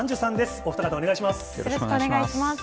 お二方、よろしくお願いします。